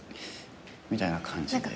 みたいな感じで。